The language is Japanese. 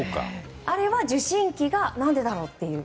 あれは受信機が何でだろうっていう。